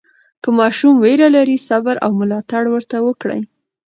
که ماشوم ویره لري، صبر او ملاتړ ورته وکړئ.